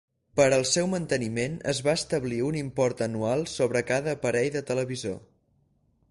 Per al seu manteniment es va establir un import anual sobre cada aparell de televisor.